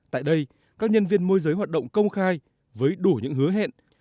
tại đây các nhân viên môi giới hoạt động công khai với đủ những hứa hẹn